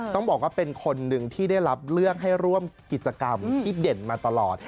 ต้องบอกว่าเป็นคนหนึ่งที่ได้รับเลือกให้ร่วมกิจกรรมที่เด่นมาตลอด